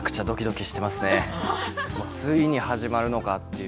ついに始まるのかっていう。